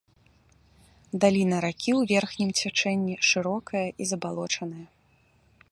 Даліна ракі ў верхнім цячэнні шырокая і забалочаная.